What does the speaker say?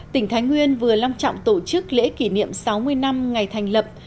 tỉnh thái nguyên vừa long trọng tổ chức lễ kỷ niệm sáu mươi năm ngày thành lập